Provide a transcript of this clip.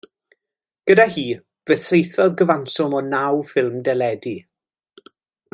Gyda hi fe saethodd gyfanswm o naw ffilm deledu.